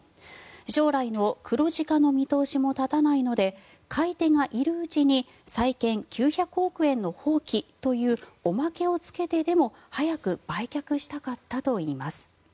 将来の黒字化の見通しも立たないので買い手がいるうちに債権９００億円の放棄というおまけをつけてでも早く売却したかったといいます。